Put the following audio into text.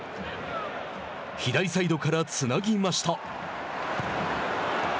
左サイドからつなぎました。